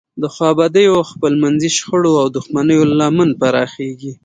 د خوابدیو، خپلمنځي شخړو او دښمنیو لمن پراخیږي.